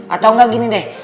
atau nggak gini deh